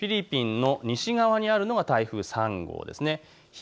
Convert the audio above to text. フィリピンの西側にあるのが台風３号です。